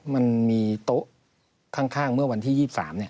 มันมีโต๊ะข้างเมื่อวันที่๒๓เนี่ย